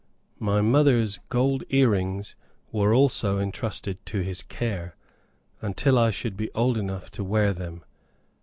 My mother's gold ear rings were also entrusted to his care, until I should be old enough to wear them.